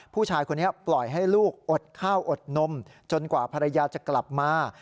ผู้ชายคนนี้ปล่อยให้ลูกอดข้าวอดนมจนกว่าภรรยาจะกลับมา